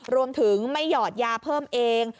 รวมถึงไม่หยอดยาเพิ่มเอง